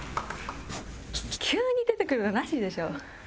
急に出てくるのなしでしょ。